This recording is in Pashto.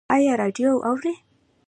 ایا راډیو اورئ؟